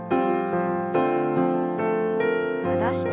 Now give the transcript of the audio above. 戻して。